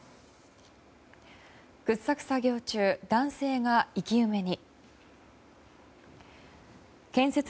掘削作業中男性が生き埋めに。